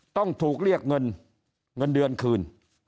ต้องถูกเรียกเงินเงินเดือนคืน